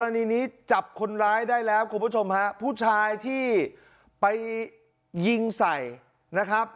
อันนี้จับคนร้ายได้แล้วคุณผู้ชมฮะผู้ชายที่ไปยิงใส่นะครับ